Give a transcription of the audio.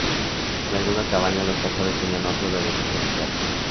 En algunas cabañas los pastores tenían otros beneficios sociales.